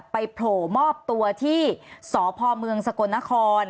ไปโผล่มอบตัวที่สพมสกนคร